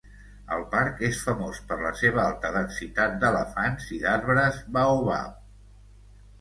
El parc és famós per la seva alta densitat d'elefants i d'arbres baobab.